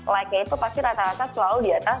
like nya itu pasti rata rata selalu di atas